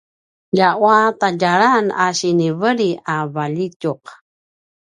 ljawua tadjalan a siniveli a valjitjuq